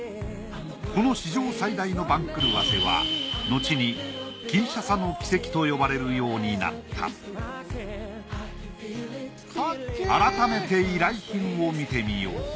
この史上最大の番狂わせはのちにキンシャサの奇跡と呼ばれるようになった改めて依頼品を見てみよう。